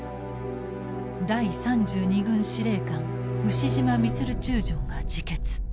第３２軍司令官牛島満中将が自決。